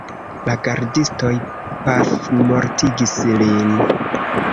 La gardistoj pafmortigis lin.